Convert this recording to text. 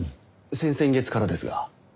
先々月からですが。